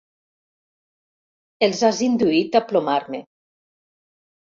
Els has induït a plomar-me.